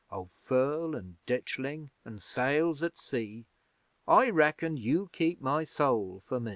Oh, Firle an' Ditchling an' sails at sea, I reckon you keep my soul for me!